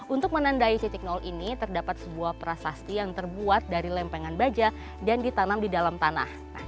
untuk menandai titik nol ini terdapat sebuah prasasti yang terbuat dari lempengan baja dan ditanam di dalam tanah